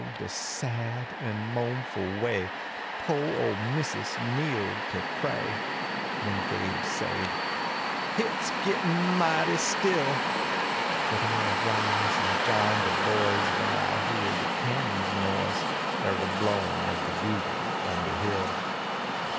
de sad en moanful way, po ole missus kneeled ter pray, When (kibe sade :" Hit s gittin mighty still." lUit I rise en jine de boys when I hear de cannon s noise. Kr de blowiif ob de bugle on de hill.